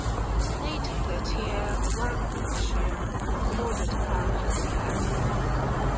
Later that year Warwickshire awarded Clarke his cap.